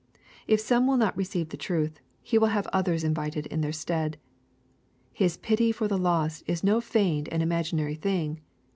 If some will not receive the truth, He will have others invited in their stead. His pity for the lost is no feigned and imaginary thing.